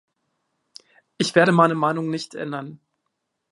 Ich werde meine Meinung nicht ändern.